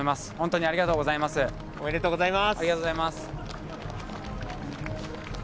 ありがとうございます。